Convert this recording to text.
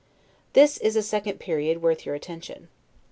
This is a second period worth your attention.